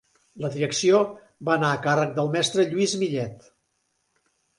La direcció va anar a càrrec del mestre Lluís Millet.